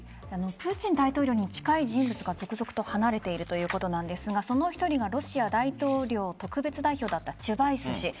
プーチン大統領に近い人物が続々と離れているということなんですがその１人がロシア大統領特別代表だったチュバイス氏。